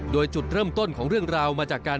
โดยจุดเริ่มต้นของเรื่องราวมาจากการ